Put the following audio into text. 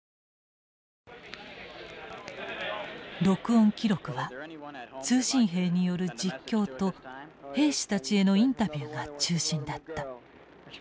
録音記録は通信兵による実況と兵士たちへのインタビューが中心だった。